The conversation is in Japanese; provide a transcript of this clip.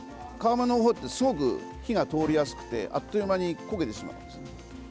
皮目のほうってすごく火が通りやすくてあっという間に焦げてしまうんですよね。